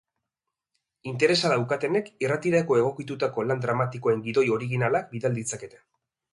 Interesa daukatenek irratirako egokitutako lan dramatikoen gidoi originalak bidal ditzakete.